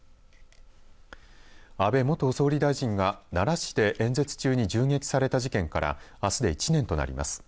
安倍元総理大臣が奈良市で演説中に銃撃された事件からあすで１年となります。